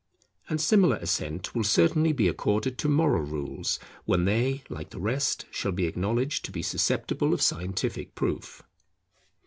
And similar assent will certainly be accorded to moral rules when they, like the rest, shall be acknowledged to be susceptible of scientific proof.